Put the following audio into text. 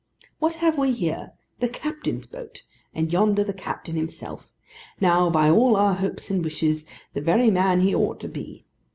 What have we here? The captain's boat! and yonder the captain himself. Now, by all our hopes and wishes, the very man he ought to be!